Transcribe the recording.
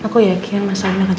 aku yakin masalah ini akan